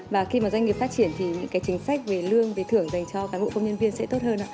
và khi mà doanh nghiệp phát triển thì những cái chính sách về lương về thưởng dành cho cán bộ công nhân viên sẽ tốt hơn